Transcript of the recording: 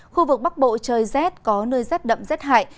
khu vực bắc bộ trời rét có nơi rét đậm rét hại